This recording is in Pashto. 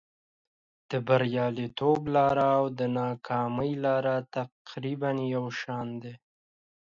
د بریالیتوب لاره او د ناکامۍ لاره تقریبا یو شان دي.